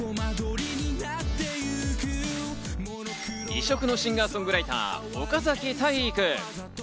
異色のシンガー・ソングライター、岡崎体育。